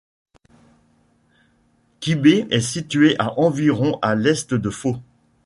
Kibé est située à environ à l'est de Fô.